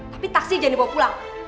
tapi taksi jangan dibawa pulang